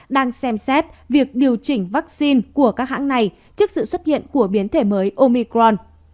đang xem xét việc điều chỉnh vaccine của các hãng này trước sự xuất hiện của biến thể mới omicron